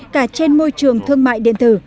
cả trên môi trường thương mại điện tử